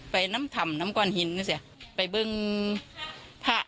ไปนำถ่ำนำกว่าหินไอ้สิเป็นพระ